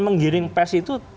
menggiring pes itu